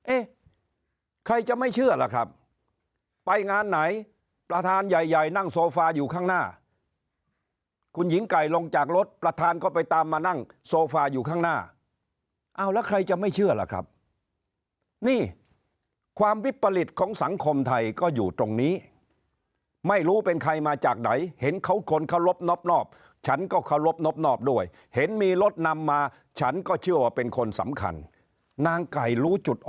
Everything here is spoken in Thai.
เอ๊ะใครจะไม่เชื่อล่ะครับไปงานไหนประธานใหญ่นั่งโซฟาอยู่ข้างหน้าคุณหญิงไก่ลงจากรถประธานก็ไปตามมานั่งโซฟาอยู่ข้างหน้าเอาแล้วใครจะไม่เชื่อล่ะครับนี่ความวิปริตของสังคมไทยก็อยู่ตรงนี้ไม่รู้เป็นใครมาจากไหนเห็นเขาคนเคารพนอบฉันก็เคารพนบนอบด้วยเห็นมีรถนำมาฉันก็เชื่อว่าเป็นคนสำคัญนางไก่รู้จุด